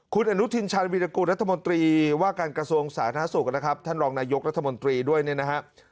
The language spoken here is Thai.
คุณอนุทินชันวิทยากุรัฐมนตรีว่าการกระทรวงศาสนศูกร์นะครับท่านรองนายกรัฐมนตรีด้วยนะครับ